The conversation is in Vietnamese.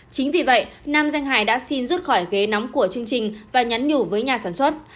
chính vì vậy nam danh hải đã xin rút khỏi ghế nóng của chương trình và nhắn nhủ với nhà sản xuất